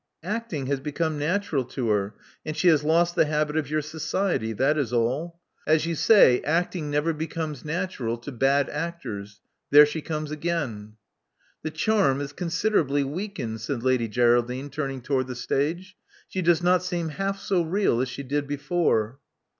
Acting has become natural to her; and she has lost the habit of your society; that is all. As you say, 254 Love Among the Artists acting never becomes natural to bad actors. There she comes again." *'The charm is considerably weakened," said Lady Geraldine, turning toward the stage. She does not seem half so real as she did before."